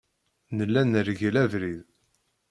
Nella nergel abrid.